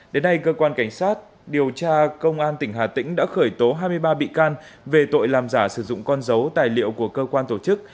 đến nay cơ quan cảnh sát điều tra công an tỉnh hà tĩnh đã khởi tố hai mươi ba bị can về tội làm giả sử dụng con dấu tài liệu của cơ quan tổ chức